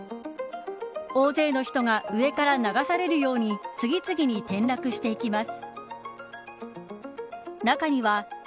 大勢の人が上から流されるように次々に転落していきます。